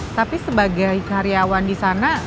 tapi sebagai karyawan di sana